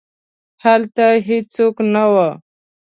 هلته هیڅوک نه وو.